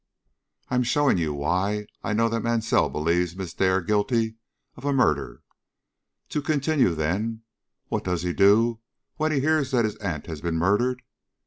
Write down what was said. "I am showing you why I know that Mansell believes Miss Dare guilty of a murder. To continue, then. What does he do when he hears that his aunt has been murdered?